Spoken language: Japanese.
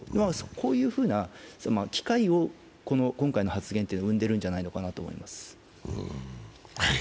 こういうふうな機会を今回の発言は生んでいるんじゃないのかなと思います。